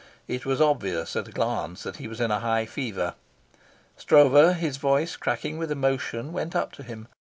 It was obvious at a glance that he was in a high fever. Stroeve, his voice cracking with emotion, went up to him.